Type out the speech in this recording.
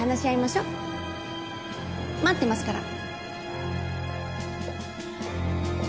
待ってますから。